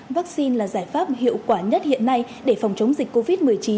vaccine là giải pháp hiệu quả nhất hiện nay để phòng chống dịch covid một mươi chín